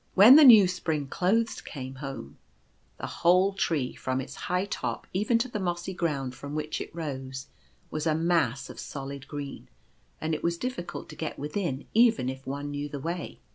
When the new spring clothes came home, the whole tree, from its high top even to the mossy ground from which it rose, was a mass of solid green ; and it was difficult to get within even if one knew the way.